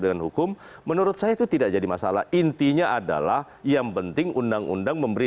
dengan hukum menurut saya itu tidak jadi masalah intinya adalah yang penting undang undang memberi